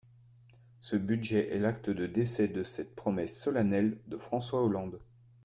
Ce budget est l’acte de décès de cette promesse solennelle de François Hollande.